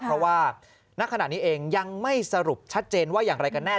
เพราะว่าณขณะนี้เองยังไม่สรุปชัดเจนว่าอย่างไรกันแน่